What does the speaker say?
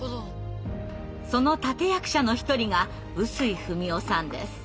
その立て役者の一人が臼井二美男さんです。